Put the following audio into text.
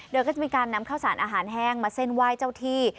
โดยก็จะมีการนำข้าวสารอาหารแห้งมาเส้นไหว้เจ้าที่